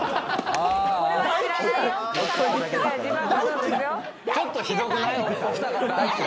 ちょっと、ひどくない？